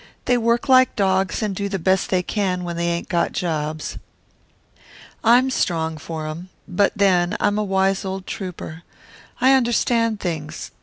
They work like dogs and do the best they can when they ain't got jobs. I'm strong for 'em. But then, I'm a wise old trouper. I understand things.